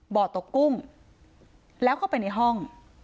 บ่อตกกุ้งแล้วเข้าไปในห้อง